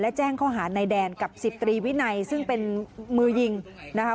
และแจ้งข้อหาในแดนกับ๑๐ตรีวินัยซึ่งเป็นมือยิงนะคะ